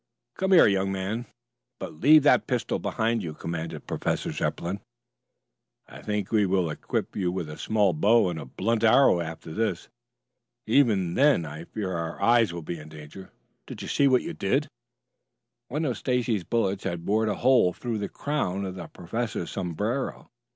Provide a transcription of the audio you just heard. "Come here, young man. But leave that pistol behind you," commanded Professor Zepplin. "I think we will equip you with a small bow and a blunt arrow after this. Even. then I fear our eyes will be in danger. Do you see what you did?" One of Stacy's bullets had bored a hole through the crown of the professor's sombrero.